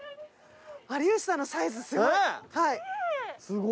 有吉さんのサイズすごい。